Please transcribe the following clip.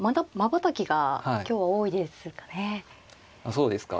そうですか。